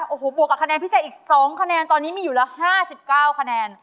โอ้โหบวกกับคะแนนพิเศษอีกสองคะแนนตอนนี้มีอยู่ละห้าสิบเก้าคะแนน